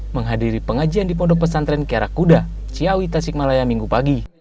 menghadiri pengajian di pondok pesantren kiara kuda ciawi tasikmalaya minggu pagi